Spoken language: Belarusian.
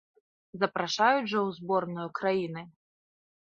Запрашаюць жа ў зборную краіны!